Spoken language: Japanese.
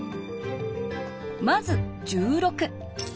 まず１６。